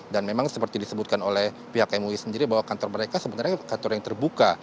dan memang seperti disebutkan oleh pihak mui sendiri bahwa kantor mereka sebenarnya kantor yang terbuka